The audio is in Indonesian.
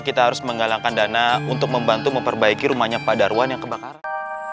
kita harus menggalangkan dana untuk membantu memperbaiki rumahnya padaruan yang kebakaran